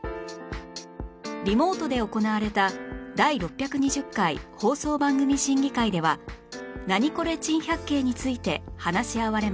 リモートで行われた第６２０回放送番組審議会では『ナニコレ珍百景』について話し合われました